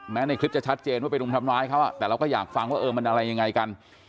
ในคลิปจะชัดเจนว่าไปรุมทำร้ายเขาแต่เราก็อยากฟังว่าเออมันอะไรยังไงกัน